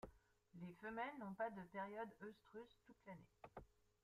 Les femelles n'ont pas de périodes œstrus toute l'année.